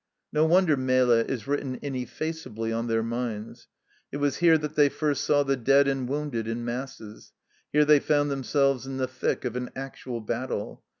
No wonder Melle is written ineffaceably on their minds ! It was here that they first saw the dead and wounded in masses. Here they found them selves in the thick of an actual battle.